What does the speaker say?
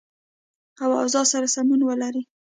او اوضاع سره سمون ولري